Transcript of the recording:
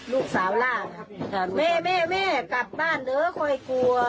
ลูกสาวล่ะครับครับแม่แม่แม่กลับบ้านเด้อค่อยกลัว